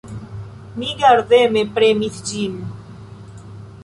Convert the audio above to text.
Mi gardeme premis ĝin.